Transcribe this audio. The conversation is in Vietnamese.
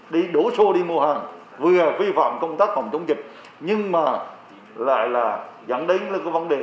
đi đổ xô đi mua hàng vừa vi phạm công tác phòng chống dịch nhưng mà lại là dẫn đến cái vấn đề